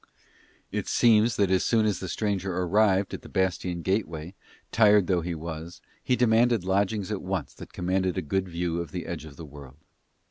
It seems that as soon as the stranger arrived at the bastion gateway, tired though he was, he demanded lodgings at once that commanded a good view of the Edge of the World.